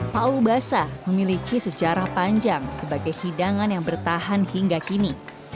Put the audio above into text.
paul basah memiliki sejarah panjang sebagai hidangan yang bertahan hingga kini